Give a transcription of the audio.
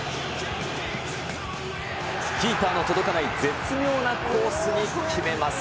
キーパーの届かない絶妙なコースに決めます。